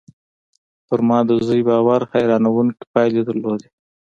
پر ما د زوی باور حيرانوونکې پايلې درلودې